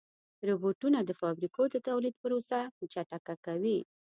روبوټونه د فابریکو د تولید پروسه چټکه کوي.